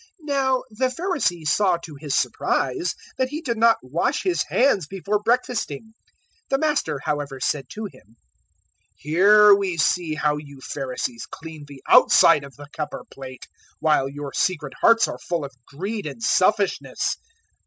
011:038 Now the Pharisee saw to his surprise that He did not wash His hands before breakfasting. 011:039 The Master however said to him, "Here we see how you Pharisees clean the outside of the cup or plate, while your secret hearts are full of greed and selfishness.